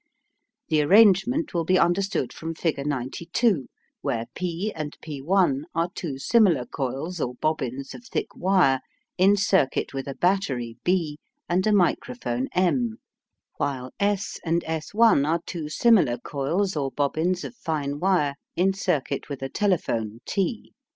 The arrangement will be understood from figure 92, where P and P1 are two similar coils or bobbins of thick wire in circuit with a battery B and a microphone M, while S and S1 are two similar coils or bobbins of fine wire in circuit with a telephone T.